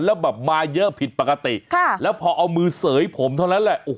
แล้วแบบมาเยอะผิดปกติแล้วพอเอามือเสยผมเท่านั้นแหละ